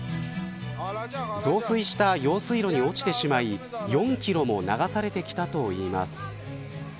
増水した用水路に落ちてしまい４キロも流されてきたといいます。